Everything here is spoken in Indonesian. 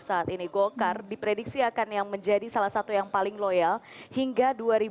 saat ini golkar diprediksi akan yang menjadi salah satu yang paling loyal hingga dua ribu dua puluh